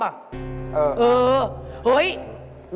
เฮ่ยนักคล่อมน่ะ